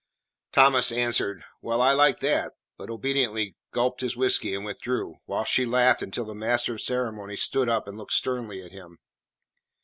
Thomas answered, "Well, I like that," but obediently gulped his whiskey and withdrew, while Joe laughed until the master of ceremonies stood up and looked sternly at him.